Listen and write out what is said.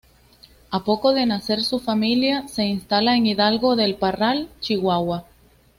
A poco de nacer su familia se instala en Hidalgo del Parral, Chihuahua.